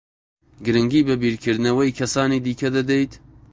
گرنگی بە بیرکردنەوەی کەسانی دیکە دەدەیت؟